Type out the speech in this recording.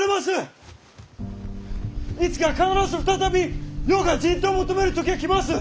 いつか必ず再び世が人痘を求める時が来ます。